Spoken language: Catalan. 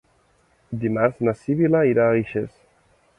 Dimarts na Sibil·la irà a Guixers.